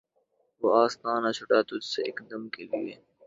وہ آستاں نہ چھٹا تجھ سے ایک دم کے لیے